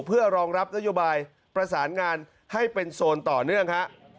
เพื่อรองรับนโยบายประสานงานให้เป็นโซนต่อเนื่องฮะ